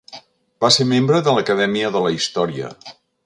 Va ser membre de l'Acadèmia de la Història.